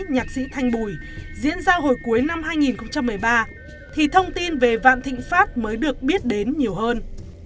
nhạc sĩ thanh bùi diễn ra hồi cuối năm hai nghìn một mươi ba thì thông tin về vạn thịnh pháp mới được biết đến nhiều hơn